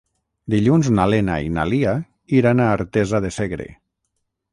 Dilluns na Lena i na Lia iran a Artesa de Segre.